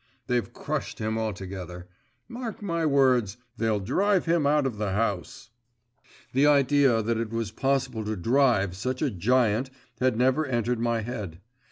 They've crushed him altogether. Mark my words; they'll drive him out of the house.' The idea that it was possible to drive such a giant had never entered my head.